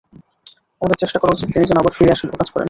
আমাদের চেষ্টা করা উচিত, তিনি যেন আবার ফিরে আসেন ও কাজ করেন।